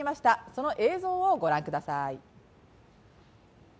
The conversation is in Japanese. その映像をご覧ください。